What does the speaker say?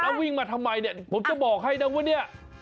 วิ่งมาทำไมเนี่ยผมจะบอกให้นะว่าเนี่ย